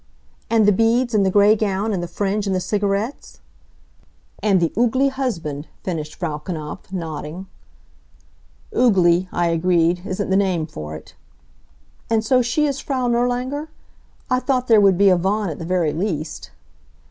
"And the beads, and the gray gown, and the fringe, and the cigarettes?" "And the oogly husband," finished Frau Knapf, nodding. "Oogly," I agreed, "isn't the name for it. And so she is Frau Nirlanger? I thought there would be a Von at the very least."